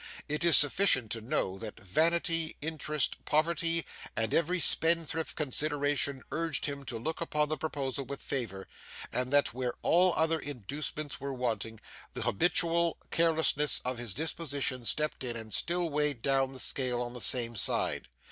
It is sufficient to know that vanity, interest, poverty, and every spendthrift consideration urged him to look upon the proposal with favour, and that where all other inducements were wanting, the habitual carelessness of his disposition stepped in and still weighed down the scale on the same side.